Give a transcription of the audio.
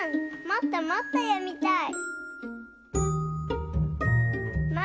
もっともっとよみたい。